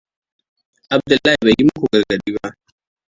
Abdullahi bai yi muku gargaɗi ba.